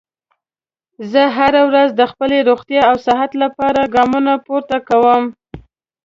زه هره ورځ د خپلې روغتیا او صحت لپاره ګامونه پورته کوم